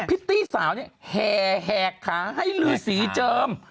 พิธีสาวนี่แห่งให้ฤษีเจิม